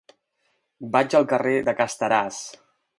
Vaig al carrer de Casteràs.